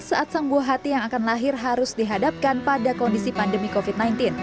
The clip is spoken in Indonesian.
saat sang buah hati yang akan lahir harus dihadapkan pada kondisi pandemi covid sembilan belas